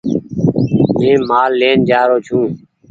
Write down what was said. مينٚ مآل لين جآرو ڇوٚنٚ